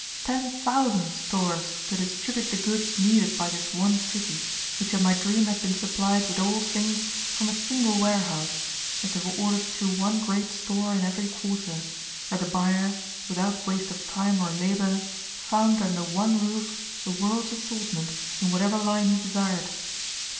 ten thousand stores to distribute the goods needed by this one city, which in my dream had been supplied with all things from a single warehouse, as they were ordered through one great store in every quarter, where the buyer, without waste of time or labor, found under one roof the world's assortment in whatever line he desired.